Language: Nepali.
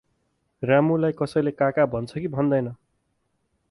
रामुलाई कसैले काका भन्छ कि भन्दैन?